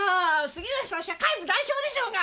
杉浦さん社会部代表でしょうが！